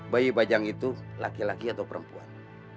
bayi bajang itu laki laki atau perempuan